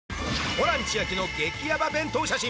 ホラン千秋の激ヤバ弁当写真